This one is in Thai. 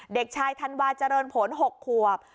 เด็กชายธันวาเจริญผล๖ขวบ